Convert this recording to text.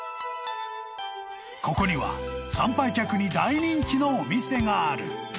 ［ここには参拝客に大人気のお店がある］